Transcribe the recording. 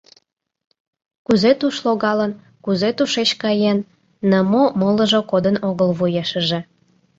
Кузе туш логалын, кузе тушеч каен — нымо молыжо кодын огыл вуешыже.